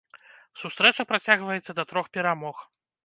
Сустрэча працягваецца да трох перамог.